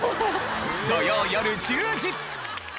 土曜よる１０時。